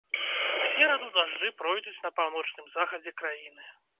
У сераду дажджы пройдуць на паўночным захадзе краіны.